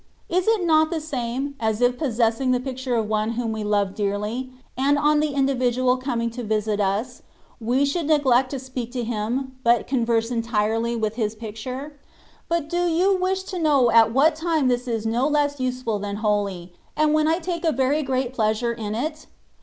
Is it not the same, as if possessing the picture of one whom we love dearly, and on the individual coming to visit us, we should neglect to speak to him, but converse entirely with his picture? But do you wish to know at what time this is no less useful than holy, and when I take a very great pleasure in it?